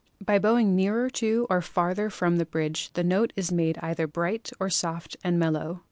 By bow ing nearer to or farther from the bridge the tone is made either bright or soft and mellow.